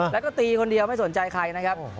แล้วก็ตีคนเดียวไม่สนใจใครนะครับ